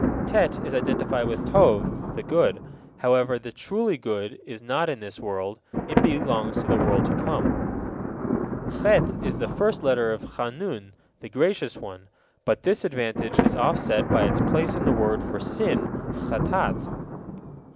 Tet is identified with Tob, the good. However, the truly good is not in this world; it belongs to the world to come. Het is the first letter of Hanun, the Gracious One; but this advantage is offset by its place in the word for sin, Hattat.